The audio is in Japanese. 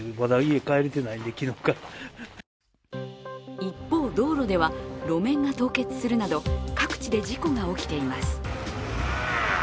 一方、道路では路面が凍結するなど各地で事故が起きています。